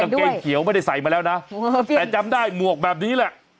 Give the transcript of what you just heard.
เกงเขียวไม่ได้ใส่มาแล้วนะแต่จำได้หมวกแบบนี้แหละ